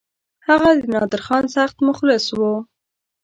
هغه د نادرخان سخت مخلص وو.